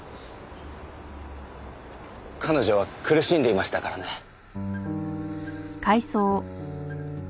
彼女は苦しんでいましたからね。